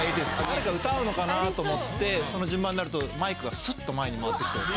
誰か歌うのかなと思ってその順番になるとマイクがスッと前に回ってきて。